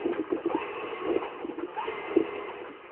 四川尾药菊